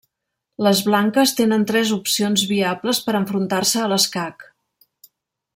Les blanques tenen tres opcions viables per enfrontar-se a l'escac.